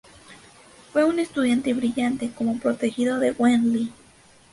Fue un estudiante brillante como protegido de Wen Lin.